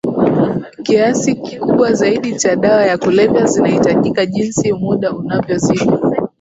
kiasi kikubwa zaidi cha dawa ya kulevya zinahitajika jinsi muda unavyozidi